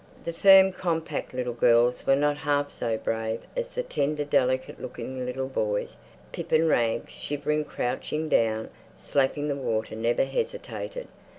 The firm compact little girls were not half so brave as the tender, delicate looking little boys. Pip and Rags, shivering, crouching down, slapping the water, never hesitated.